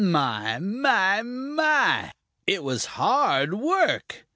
My, my, my, it was hard work!